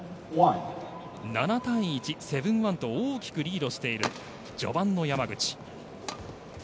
７対１と大きくリードしている序盤の山口。